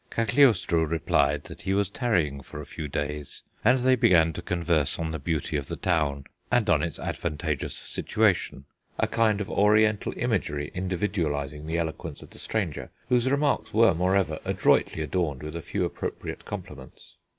Cagliostro replied that he was tarrying for a few days, and they began to converse on the beauty of the town and on its advantageous situation, a kind of Oriental imagery individualising the eloquence of the stranger, whose remarks were, moreover, adroitly adorned with a few appropriate compliments."